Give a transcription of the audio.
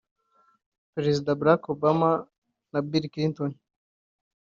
Perezida Barack Obama na Bill Clinton